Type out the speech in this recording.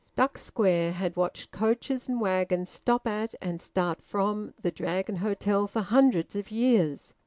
Duck Square had watched coaches and waggons stop at and start from the Dragon Hotel for hundreds of years.